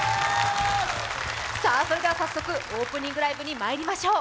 それでは早速オープニングライブにまいりましょう。